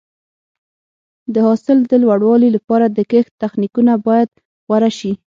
د حاصل د لوړوالي لپاره د کښت تخنیکونه باید غوره شي.